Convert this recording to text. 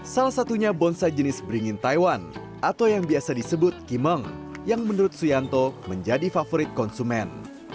salah satunya bonsai jenis beringin taiwan atau yang biasa disebut kimeng yang menurut suyanto menjadi favorit konsumen